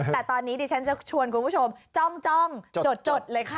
แต่ตอนนี้ดิฉันจะชวนคุณผู้ชมจ้องจดเลยค่ะ